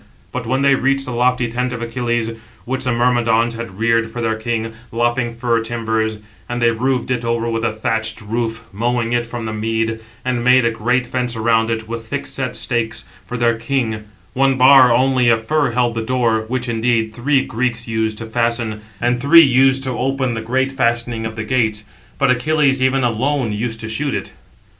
But when they reached the lofty tent of Achilles which the Myrmidons had reared for their king, lopping fir timbers; and they roofed it over with a thatched roof, mowing it from the mead, and made a great fence around, with thick set stakes, for their king: one bar only of fir held the door, which, indeed, three Greeks used to fasten, and three used to open the great fastening of the gates; but Achilles even alone used to shoot it.